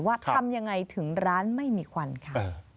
ทำยังไงถึงร้านไม่มีควันค่ะ